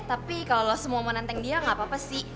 tapi kalau lo semua mau nanteng dia gak apa apa sih